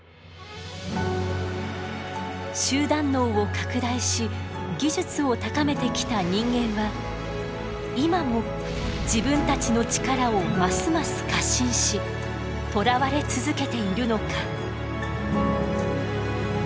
集団脳を拡大し技術を高めてきた人間は今も自分たちの力をますます過信しとらわれ続けているのか。